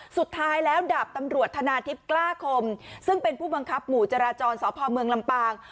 สุดท้ายแล้วดาบตำรวจธนาทิพย์กล้าคมซึ่งเป็นผู้บังคับหมู่จราจรสพเมืองลำปาง